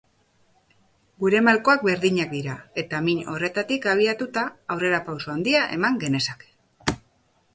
Gure malkoak berdinak dira, eta min horretatik abiatuta aurrerapauso handia eman genezake.